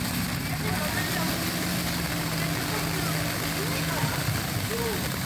შენი აზრით რომელია უკეთესი მულტიკები თუ კინოები